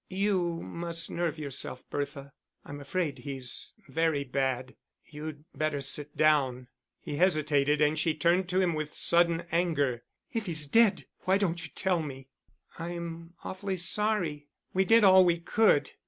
"You must nerve yourself, Bertha. I'm afraid he's very bad. You'd better sit down." He hesitated, and she turned to him with sudden anger. "If he's dead, why don't you tell me?" "I'm awfully sorry. We did all we could.